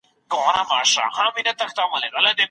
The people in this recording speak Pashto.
که مکتب وي نو کلتور نه ورکیږي.